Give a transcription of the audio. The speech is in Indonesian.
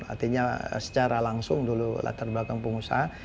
artinya secara langsung dulu latar belakang pengusaha